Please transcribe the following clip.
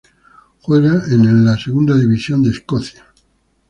Juega en la Segunda División de Escocia.